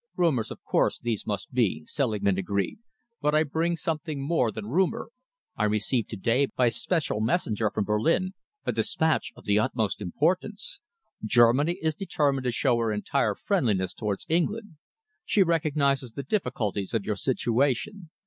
"Rumours, of course, there must be," Selingman agreed, "but I bring something more than rumour. I received to day, by special messenger from Berlin, a dispatch of the utmost importance. Germany is determined to show her entire friendliness towards England. She recognises the difficulties of your situation.